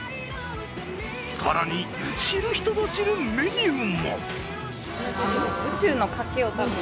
更に、知る人ぞ知るメニューも。